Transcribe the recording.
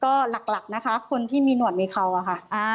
ก็หลักนะคะคนที่มีหนวดมีเขาอะค่ะ